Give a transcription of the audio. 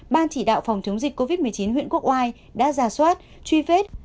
ban chỉ đạo phòng chống dịch covid một mươi chín huyện quốc oai đã giả soát truy vết